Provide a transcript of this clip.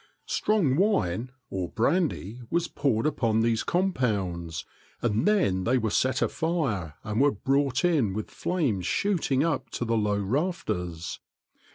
" Strong wine," or brandy, was poured upon these compounds, and then they were set afire and were brought in with flames shooting up to the low rafters.